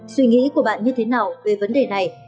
suy nghĩ của bạn như thế nào về vấn đề này